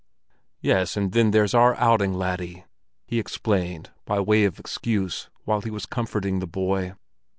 "Yes, and then there's our outing, laddie," he explained, by way of excuse, while he was comforting the boy.